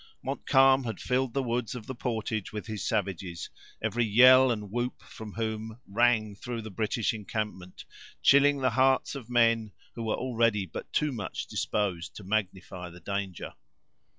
Montcalm had filled the woods of the portage with his savages, every yell and whoop from whom rang through the British encampment, chilling the hearts of men who were already but too much disposed to magnify the danger.